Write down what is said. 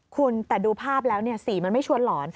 คุณแต่ดูภาพแล้วสีมันไม่ชวนหลอน